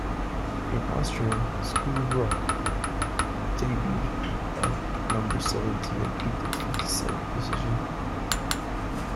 In Austria, "School of Rock" debuted at number seventy and peaked at fifty-seven position.